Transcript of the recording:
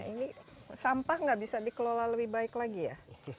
ini sampah nggak bisa dikelola lebih baik lagi ya